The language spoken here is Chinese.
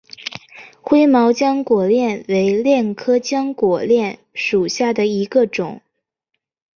灰毛浆果楝为楝科浆果楝属下的一个种。